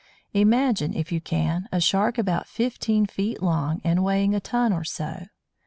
Imagine, if you can, a Shark about fifteen feet long and weighing a ton or so.